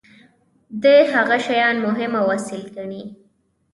دي هغه شیان مهم او اصیل ګڼي.